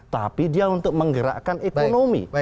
tapi dia untuk menggerakkan ekonomi